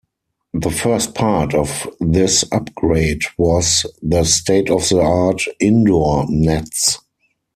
The first part of this upgrade was the state-of-the-art indoor nets.